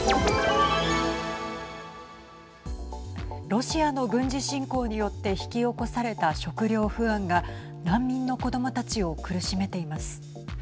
ロシアの軍事侵攻によって引き起こされた食料不安が難民の子どもたちを苦しめています。